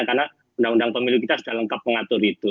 karena undang undang pemilu kita sudah lengkap mengatur itu